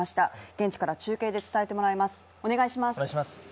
現地から中継で伝えてもらいます。